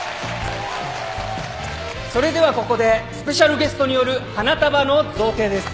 それではここでスペシャルゲストによる花束の贈呈です。